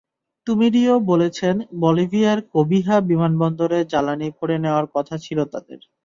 তুমিরিও বলেছেন, বলিভিয়ার কবিহা বিমানবন্দরে জ্বালানি ভরে নেওয়ার কথা ছিল তাঁদের।